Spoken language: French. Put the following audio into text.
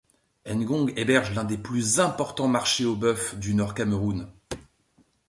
Ngong héberge l'un des plus importants marchés aux bœufs du Nord Cameroun.